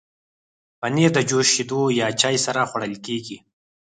پنېر د جوس، شیدو یا چای سره خوړل کېږي.